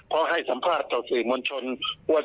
เพราะให้สัมภาษณ์ต่อสื่อมวลชนว่า